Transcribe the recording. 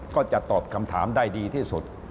ก็จะตอบคำถามได้ดีที่สุด